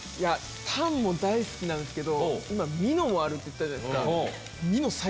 タンも大好きですけど今ミノもあるって言ったじゃないですか。